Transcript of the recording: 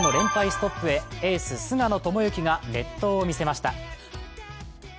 ストップへエース・菅野智之が熱投を見せました。